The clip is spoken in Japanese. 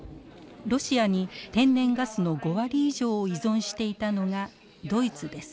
ロシアに天然ガスの５割以上を依存していたのがドイツです。